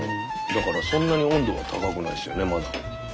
だからそんなに温度は高くないですよねまだ。